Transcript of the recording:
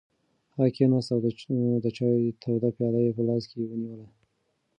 هغه کېناست او د چای توده پیاله یې په لاس کې ونیوله.